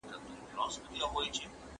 موږ د زردالو په خوړلو بوخت یو.